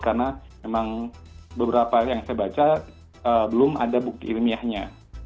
karena memang beberapa yang saya baca belum ada bukti ilmiahnya